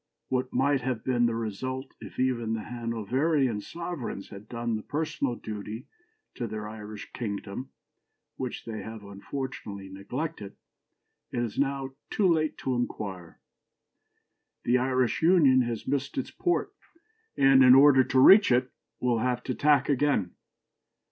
What might have been the result if even the Hanoverian sovereigns had done the personal duty to their Irish kingdom which they have unfortunately neglected, it is now too late to inquire. The Irish Union has missed its port, and, in order to reach it, will have to tack again.